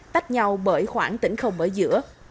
tách nhau bởi khoảng tỉnh không ở giữa